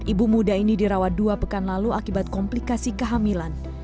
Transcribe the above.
ibu muda ini dirawat dua pekan lalu akibat komplikasi kehamilan